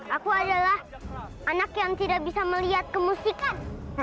aku adalah anak yang tidak bisa melihat kemusikan